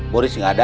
boris gak ada